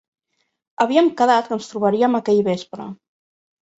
Havíem quedat que ens trobaríem aquell vespre.